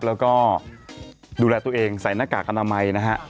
แล้วก็ดูแลตัวเองใส่หน้ากากอนามัยนะฮะ